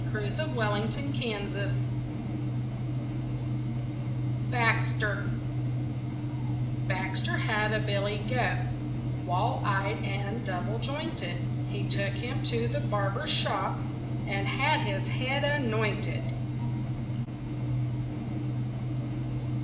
BAXTER Baxter had a billy goat Wall eyed and double jointed. He took him to the barber shop And had his head anointed.